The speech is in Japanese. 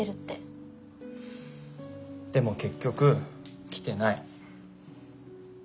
でも結局来てない。